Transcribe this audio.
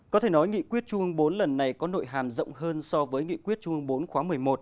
có thể nói nghị quyết trung ương bốn lần này có nội hàm rộng hơn so với nghị quyết trung ương bốn khóa một mươi một